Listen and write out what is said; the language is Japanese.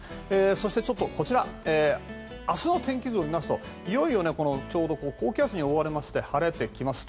そして、明日の天気図を見ますといよいよちょうど高気圧に覆われまして晴れてきます。